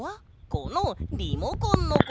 このリモコンのこと！